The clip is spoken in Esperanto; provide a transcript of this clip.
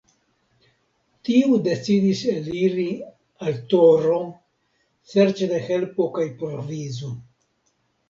Tiu decidis eliri al Toro serĉe de helpo kaj provizo.